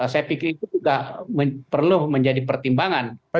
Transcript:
saya pikir itu juga perlu menjadi pertimbangan